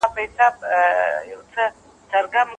په اوبو کې حرکت د عضلاتو فعالیت زیاتوي.